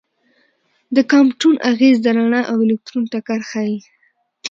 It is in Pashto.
د کامپټون اغېز د رڼا او الکترون ټکر ښيي.